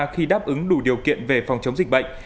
khi đáp ứng đủ điều kiện về phòng chống dịch bệnh